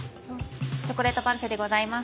「チョコレートパルフェ」でございます。